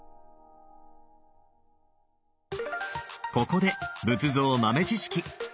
ここで仏像豆知識。